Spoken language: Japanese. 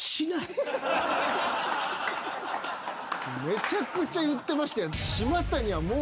めちゃくちゃ言ってましたよ。